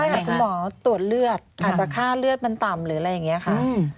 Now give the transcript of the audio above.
แต่คุณหมอตรวจเลือดอาจจะค่าเลือดมันต่ำหรืออะไรอย่างนี้ค่ะ